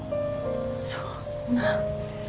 そんな。